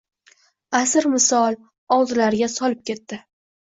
Asir misol — oldilariga solib ketdi.